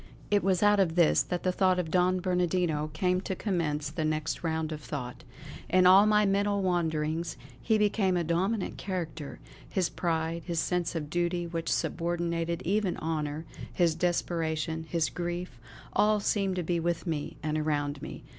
It was out of this that the thought of Don Bernardino came to commence the next round of thought. In all my mental wanderings he became a dominant character; his pride, his sense of duty which subordinated even honour, his desperation, his grief, all seemed to be with me and around me.